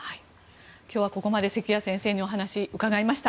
今日はここまで関谷先生にお話を伺いました。